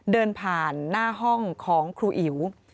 เดินผ่านหน้าห้องของครูอิ๋ว